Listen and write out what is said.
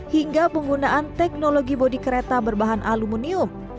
hingga penggunaan teknologi bodi kereta berbahan aluminium